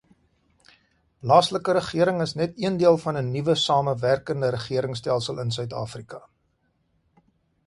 Plaaslike regering is net een deel van 'n nuwe, samewerkende regeringstelsel in Suid-Afrika.